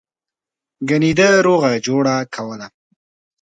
گني ده روغه جوړه کوله.